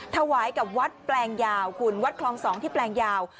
ถวายกับวัดแปลงยาวคุณวัดคลอง๒ที่แปลงยาว